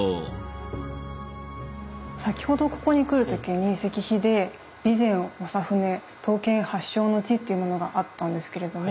先ほどここに来る時に石碑で「備前長船刀剣発祥之地」っていうものがあったんですけれども。